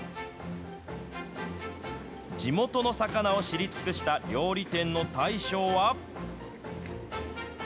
地元の魚を知り尽くした料理店の大将は。